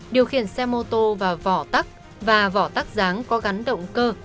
điều khiển xe mô tô và vỏ tắc và vỏ tắc ráng có gắn động cơ